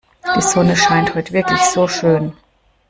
Die Sonne scheint heute wirklich so schön.